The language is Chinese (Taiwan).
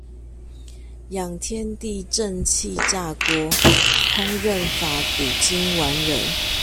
養天地正氣炸鍋，烹飪法古今完人